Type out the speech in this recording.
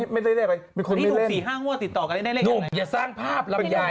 ไม่ได้เลขไหมมีคนไม่เล่นนุ่มอย่าสร้างภาพลำไย